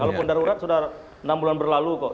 kalaupun darurat sudah enam bulan berlalu kok